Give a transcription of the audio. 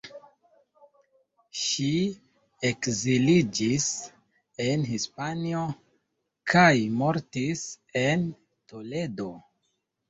Ŝi ekziliĝis en Hispanio kaj mortis en Toledo.